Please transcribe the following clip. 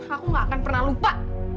aku gak akan pernah lupa